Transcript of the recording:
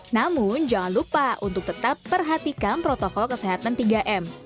namun jangan lupa untuk tetap perhatikan protokol kesehatan tiga m